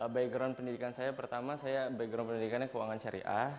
background pendidikan saya pertama saya background pendidikannya keuangan syariah